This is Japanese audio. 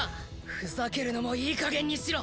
ふざけるのもいいかげんにしろ！